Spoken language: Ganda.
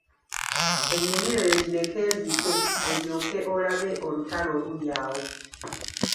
Ennimiro yo gireke ezike, olyoke olabe olutalo oluli awo.